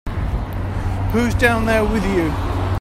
Who's down there with you?